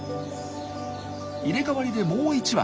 入れ替わりでもう１羽。